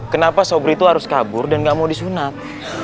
kenapa sobri itu harus kabur dan nggak mau disunat